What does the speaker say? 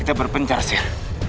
iya ya allah